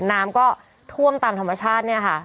น้ำก็ท่วมตามธรรมชาติเนี่ยค่ะ